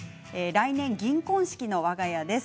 来年、銀婚式のわが家です。